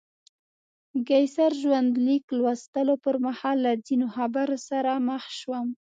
د قیصر ژوندلیک لوستلو پر مهال له ځینو خبرو سره مخ شوم.